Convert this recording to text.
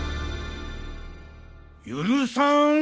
許さん。